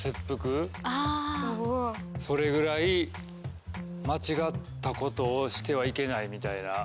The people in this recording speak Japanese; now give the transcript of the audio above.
それぐらい間違ったことをしてはいけないみたいな？